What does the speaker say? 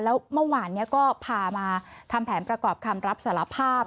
แล้วเมื่อวานนี้ก็พามาทำแผนประกอบคำรับสารภาพ